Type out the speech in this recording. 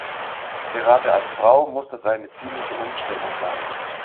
Gerade als Frau muss das eine ziemliche Umstellung sein.